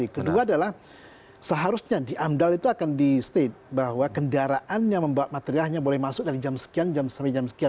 kedua adalah seharusnya di amdal itu akan di state bahwa kendaraan yang membawa materialnya boleh masuk dari jam sekian jam sampai jam sekian